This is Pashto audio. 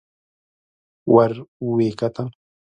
ور ويې کتل.